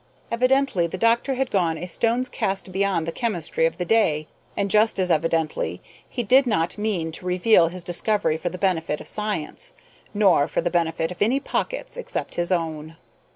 Evidently the doctor had gone a stone's cast beyond the chemistry of the day, and, just as evidently, he did not mean to reveal his discovery for the benefit of science, nor for the benefit of any pockets except his own.